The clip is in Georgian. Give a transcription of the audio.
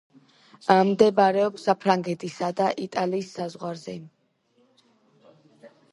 მდებარეობს საფრანგეთისა და იტალიის საზღვარზე.